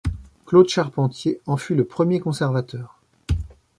Claude Charpentier en fut le premier conservateur.